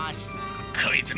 こいつめ！